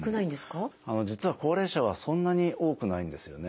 実は高齢者はそんなに多くないんですよね。